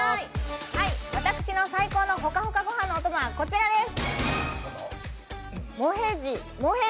私の最高のホカホカご飯のお供はこちらです。